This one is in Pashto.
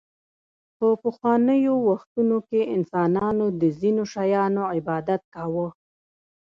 په پخوانیو وختونو کې انسانانو د ځینو شیانو عبادت کاوه